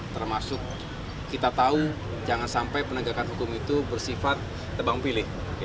termasuk kita tahu jangan sampai penegakan hukum itu bersifat tebang pilih